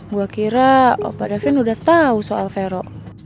gue kira opa davin udah tau soal vero